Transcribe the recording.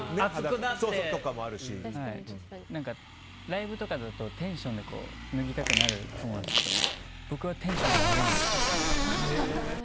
ライブとかだとテンションで脱ぎたくなると思うんですけど僕はテンションで脱げないんですよね。